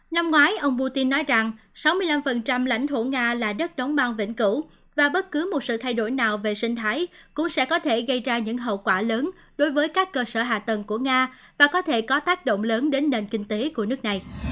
năm ngoái ông putin nói rằng sáu mươi năm lãnh thổ nga là đất đóng băng vĩnh cửu và bất cứ một sự thay đổi nào về sinh thái cũng sẽ có thể gây ra những hậu quả lớn đối với các cơ sở hạ tầng của nga và có thể có tác động lớn đến nền kinh tế của nước này